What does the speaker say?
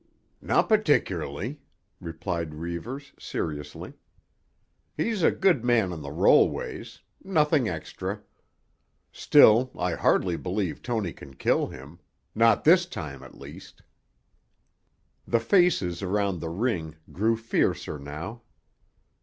"Not particularly," replied Reivers seriously. "He's a good man on the rollways—nothing extra. Still, I hardly believe Tony can kill him—not this time, at least." The faces around the ring grew fiercer now.